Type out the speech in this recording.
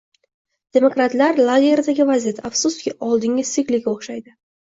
Demokratlar lageridagi vaziyat, afsuski, oldingi tsiklga o'xshaydi